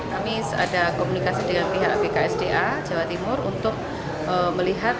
kami ada komunikasi dengan pihak bksda jawa timur untuk melihat